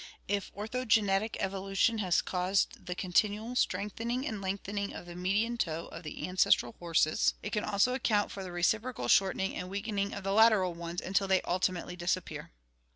If orthogenetic evolution has caused the continual strengthening and lengthening of the median toe of the ancestral horses, it can also account for the reciprocal shortening and weakening of the lateral ones until they ultimately disappear.